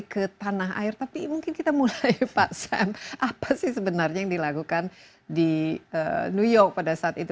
ke tanah air tapi mungkin kita mulai pak sam apa sih sebenarnya yang dilakukan di new york pada saat itu